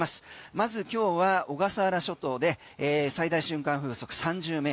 まず今日は小笠原諸島で最大瞬間風速３０ｍ。